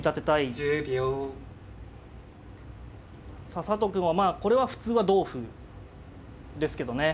さあ佐藤くんはまあこれは普通は同歩ですけどね。